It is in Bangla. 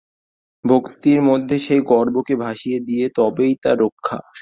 ভক্তির মধ্যে সেই গর্বকে ভাসিয়ে দিয়ে তবেই তার রক্ষা।